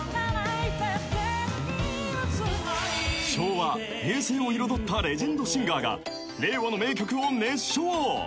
昭和、平成を彩ったレジェンドシンガーが令和の名曲を熱唱。